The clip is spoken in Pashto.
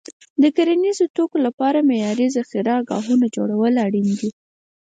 د کرنیزو توکو لپاره معیاري ذخیره ګاهونه جوړول اړین دي.